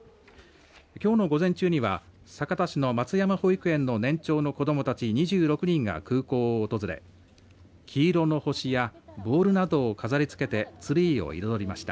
きょうの午前中には酒田市の松山保育園の年長の子どもたち２６人が空港を訪れ黄色の星やボールなどを飾りつけてツリーを彩りました。